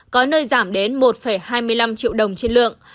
có nơi giảm đến một hai mươi năm triệu đồng trên lượng